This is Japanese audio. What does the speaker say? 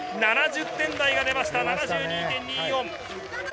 ７０点台が出ました、７２．２４。